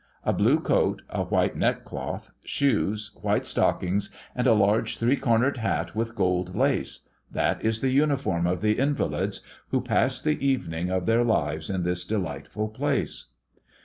A blue coat, a white neckcloth, shoes, white stockings, and a large three cornered hat with gold lace that is the uniform of the Invalids, who pass the evening of their lives in this delightful place.